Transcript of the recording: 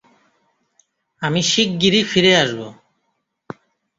আমি শিগ্গিরি ফিরে আসবো।